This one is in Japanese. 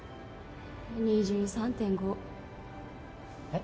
２３．５えっ？